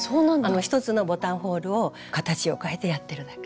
１つのボタンホールを形を変えてやってるだけ。